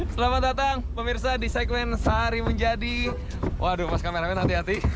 selamat datang pemirsa di segmen sehari menjadi waduh mas kameramen hati hati